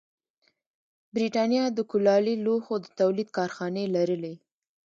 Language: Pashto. برېټانیا د کولالي لوښو د تولید کارخانې لرلې.